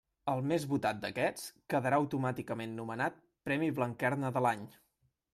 El més votat d'aquests quedarà automàticament nomenat Premi Blanquerna de l'any.